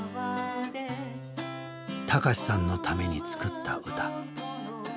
孝さんのために作った歌。